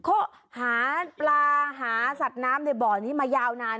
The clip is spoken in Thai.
เขาหาปลาหาสัตว์น้ำในบ่อนี้มายาวนาน